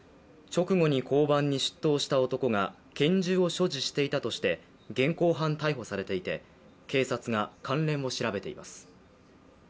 直後に交番に出頭した男が拳銃を所持していたとして現行犯逮捕されていて警察が関連を調べています。